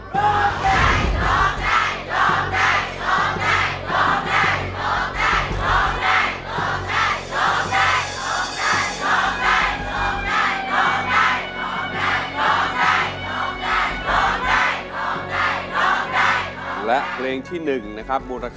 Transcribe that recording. โทษได้โทษได้โทษได้โทษได้โทษได้